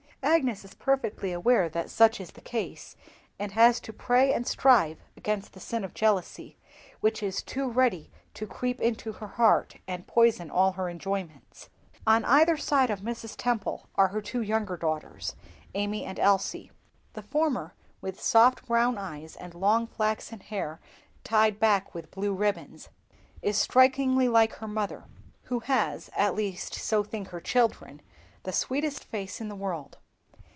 Agnes is perfectly aware that such is the case, and has to pray and strive against the sin of jealousy, which is too ready to creep into her heart and poison all her enjoyments. On either side of Mrs. Temple are her two younger daughters, Amy and Elsie. The former, with soft brown eyes and long flaxen hair tied with blue ribbons, is strikingly like her mother, who has, at least so think her children, the sweetest face in the world.